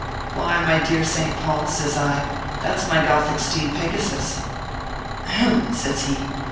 " Why, my dear Saint Paul," says I, " that s my gothic steed, Pegasus." "Ahem!" says he.